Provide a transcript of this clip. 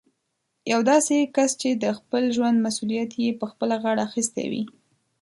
يو داسې کس چې د خپل ژوند مسوليت يې په خپله غاړه اخيستی وي.